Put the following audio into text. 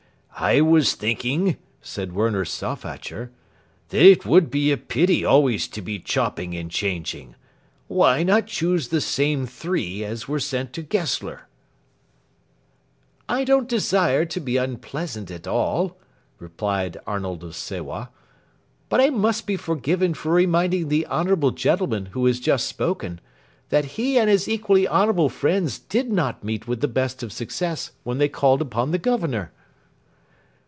"I was thinking," said Werner Stauffacher, "that it would be a pity always to be chopping and changing. Why not choose the same three as were sent to Gessler?" "I don't desire to be unpleasant at all," replied Arnold of Sewa, "but I must be forgiven for reminding the honourable gentleman who has just spoken that he and his equally honourable friends did not meet with the best of success when they called upon the Governor."